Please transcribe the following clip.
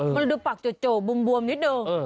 มันดูปากโจกบวมนิดนึง